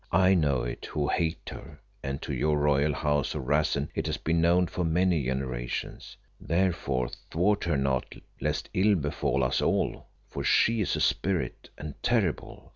I know it, who hate her, and to your royal house of Rassen it has been known for many a generation. Therefore thwart her not lest ill befall us all, for she is a spirit and terrible.